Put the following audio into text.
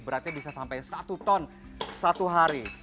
beratnya bisa sampai satu ton satu hari